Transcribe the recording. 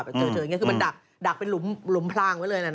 ไปเจอเธออย่างนี้คือมันดักเป็นหลุมพลางไว้เลยนะ